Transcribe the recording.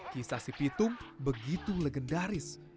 kisah si pitung begitu legendaris